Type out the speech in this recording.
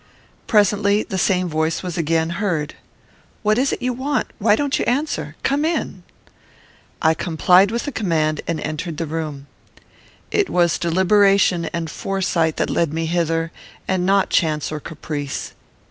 Presently the same voice was again heard: "What is it you want? Why don't you answer? Come in!" I complied with the command, and entered the room. It was deliberation and foresight that led me hither, and not chance or caprice.